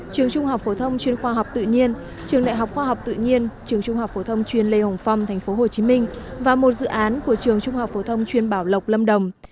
trường trung học phổ thông chuyên khoa học tự nhiên trường đại học khoa học tự nhiên trường trung học phổ thông chuyên lê hồng phong tp hcm và một dự án của trường trung học phổ thông chuyên bảo lộc lâm đồng